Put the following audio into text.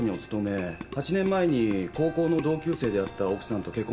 ８年前に高校の同級生であった奥さんと結婚されたんですよね？